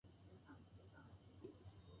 離れないでって、言っただろ